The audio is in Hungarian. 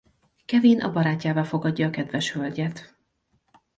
Kevin a barátjává fogadja a kedves hölgyet.